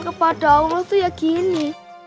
kepada allah itu ya gini